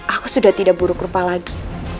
aku sudah tidak buruk rupa lagi